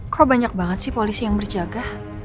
kok banyak banget sih polisi yang berjaga